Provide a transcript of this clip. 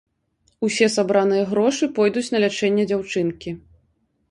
Усе сабраныя грошы пойдуць на лячэнне дзяўчынкі.